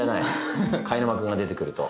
貝沼君が出てくると。